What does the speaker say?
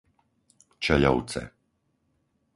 Čeľovce